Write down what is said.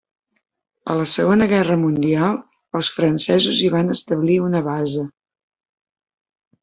A la segona guerra mundial els francesos hi van establir una base.